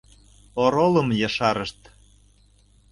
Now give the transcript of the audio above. Оролым ешарышт.